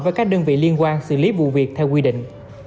với các đơn vị liên quan xử lý vụ việc theo quy định